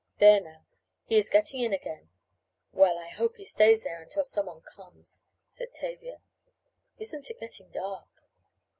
"There now, he is getting in again. Well, I hope he stays there until someone comes," said Tavia. "Isn't it getting dark?"